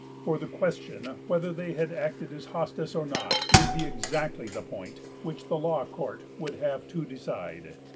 For the question, whether they had acted as hostes or not, would be exactly the point which the law court would have to decide.